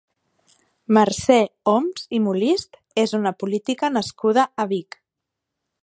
Mercè Homs i Molist és una política nascuda a Vic.